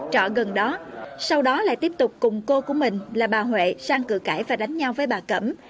trọ gần đó sau đó lại tiếp tục cùng cô của mình là bà huệ sang cửa cãi và đánh nhau với bà cẩm